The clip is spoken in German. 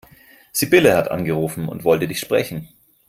Sibylle hat angerufen und wollte dich sprechen.